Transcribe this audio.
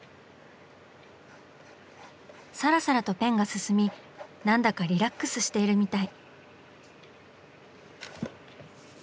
サラサラとペンが進み何だかリラックスしているみたい。